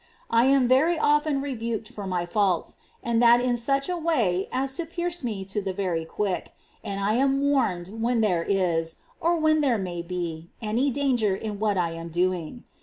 I am very often rebuked for my faults, and that in such a way as to pierce me to the very quick ; and I am warned when there is, or when there may be, any danger in what I am doing.